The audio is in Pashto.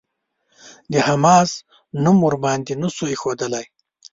د «حماس» نوم ورباندې نه شو ايښودلای.